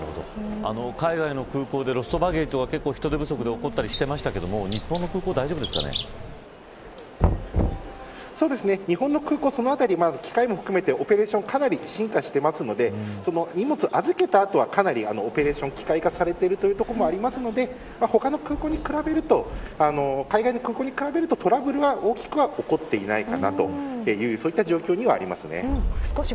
海外の空港でロストバゲージとか人手不足で起こったりしていますが日本の空港は、そのあたり機械も含めてオペレーション化かなり進化しているので荷物を預けたあとはかなりオペレーションが機械化されていることもあるので海外の空港に比べるとトラブルは大きくは起こっていないかなというそういった状況にはあります。